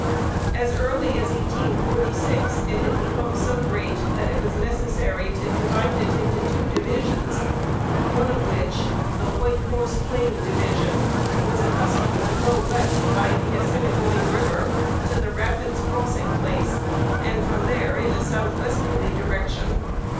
As early as 1846 it had become so great, that it was necessary to divide it into two divisions, one of which, the White Horse Plain division, was accustomed to go west by the Assinniboine River to the "rapids crossing place," and from there in a southwesterly direction.